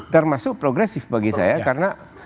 termasuk progresif bagi saya karena